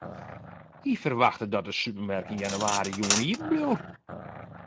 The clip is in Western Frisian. Hy ferwachtet dat de supermerk yn jannewaarje gewoan iepenbliuwt.